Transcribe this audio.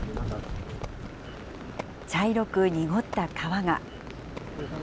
茶色く濁った川が。